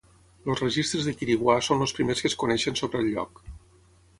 Els registres de Quiriguá són els primers que es coneixen sobre el lloc.